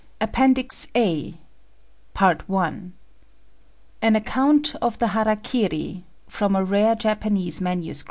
] APPENDICES APPENDIX A AN ACCOUNT OF THE HARA KIRI (FROM A RARE JAPANESE MS.)